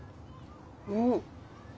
うん。